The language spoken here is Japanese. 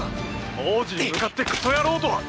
王子に向かってクソヤロウとは！